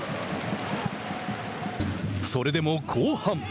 それでも後半。